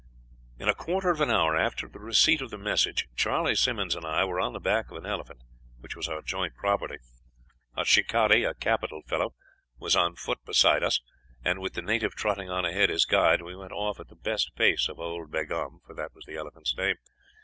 "In a quarter of an hour after the receipt of the message Charley Simmonds and I were on the back of an elephant which was our joint property; our shikaree, a capital fellow, was on foot beside us, and with the native trotting on ahead as guide we went off at the best pace of old Begaum, for that was the elephant's name.